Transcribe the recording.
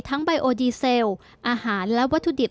ไบโอดีเซลอาหารและวัตถุดิบ